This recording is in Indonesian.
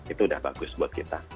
itu udah bagus buat kita